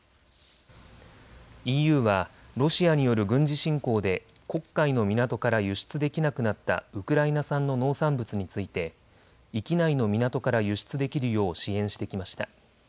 ＥＵはロシアによる軍事侵攻で黒海の港から輸出できなくなったウクライナ産の農産物について域内の港から輸出できるよう支援してきました。